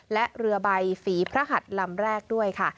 และเรือใบฝีพระหัดลำแรกด้วยค่ะ